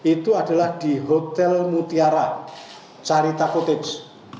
itu adalah di hotel mutiara carita cotips